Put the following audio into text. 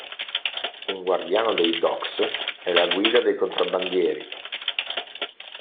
Un guardiano dei docks è la guida dei contrabbandieri.